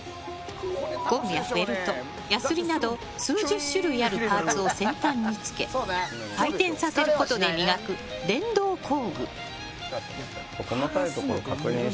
ゴムやフェルト、やすりなど数十種類あるパーツを先端に付け回転させることで磨く、電動工具。